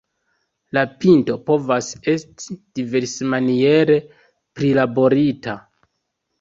La pinto povas esti diversmaniere prilaborita.